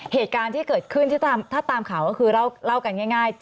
เหตุการณ์ที่เกิดขึ้นถ้าตามข่าวก็คือเล่ากันง่าย